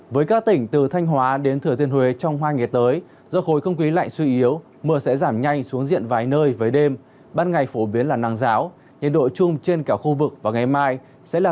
với các tỉnh từ thanh hóa đến thừa thiên huế trong hai ngày tới do khối không khí lạnh suy yếu mưa sẽ giảm nhanh xuống diện vài nơi với đêm ban ngày phổ biến là nắng giáo nhiệt độ chung trên cả khu vực và ngày mai sẽ là một mươi